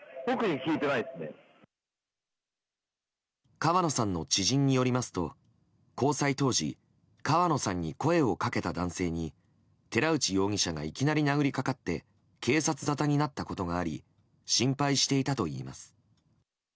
川野さんの知人によりますと交際当時川野さんに声をかけた男性に寺内容疑者がいきなり殴りかかって警察沙汰になったことがあり心配していたといいます。